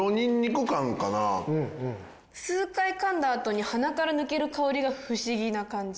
数回噛んだあとに鼻から抜ける香りが不思議な感じ。